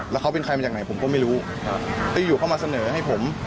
แล้วเขาเป็นใครมาจากไหนผมก็ไม่รู้ที่อยู่เข้ามาเสนอให้ผม